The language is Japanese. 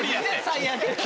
最悪。